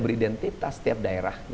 beridentitas setiap daerahnya